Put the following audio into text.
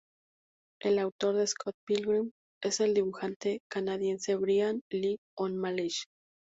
El autor de "Scott Pilgrim" es el dibujante canadiense Bryan Lee O'Malley.